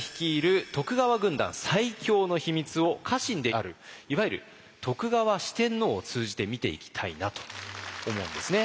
「徳川軍団最強の秘密」を家臣であるいわゆる徳川四天王を通じて見ていきたいなと思うんですね。